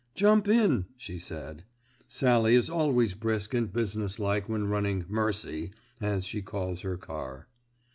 "Jump in," she said. Sallie is always brisk and business like when running "Mercy," as she calls her car.